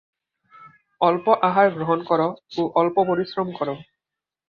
অল্প আহার গ্রহণ কর ও অল্প পরিশ্রম কর।